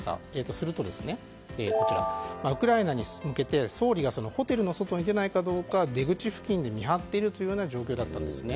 するとウクライナに向けて総理がホテルの外に出ないかどうか出口付近で見張っているというような状況だったんですね。